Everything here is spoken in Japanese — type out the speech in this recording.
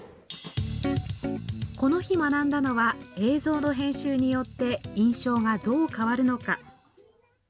この日、学んだのは映像の編集によって印象がどう変わるのか。